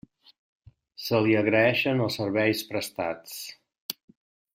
Se li agraeixen els serveis prestats.